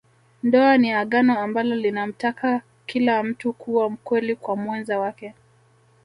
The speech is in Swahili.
Ndoa ni Agano ambalo linamtaka kila mtu kuwa mkweli kwa mwenza wake